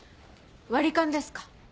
割り勘ですか？